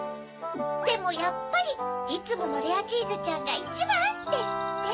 「でもやっぱりいつものレアチーズちゃんがいちばん」ですって！